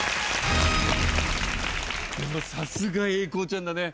さすが英孝ちゃんだね。